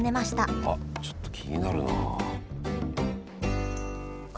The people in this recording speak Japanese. あっちょっと気になるな。